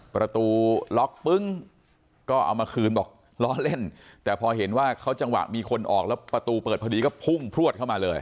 ประตูล็อกปึ้งก็เอามาคืนบอกล้อเล่นแต่พอเห็นว่าเขาจังหวะมีคนออกแล้วประตูเปิดพอดีก็พุ่งพลวดเข้ามาเลย